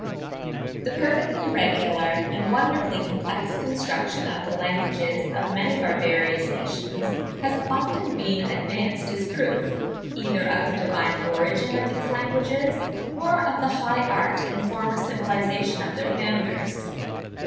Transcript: The perfectly regular and wonderfully complex construction of the languages of many barbarous nations has often been advanced as a proof, either of the divine origin of these languages, or of the high art and former civilisation of their founders.